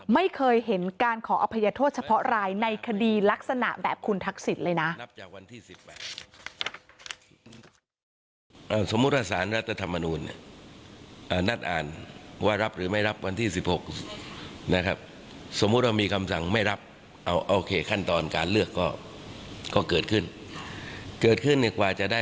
ไม่เคยเห็นการขออภัยโทษเฉพาะรายในคดีลักษณะแบบคุณทักษิณเลยนะ